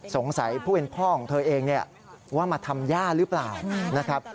สงสัยผู้เป็นพ่อของเธอเองเนี่ยว่ามาทำย่าหรือเปล่านะครับ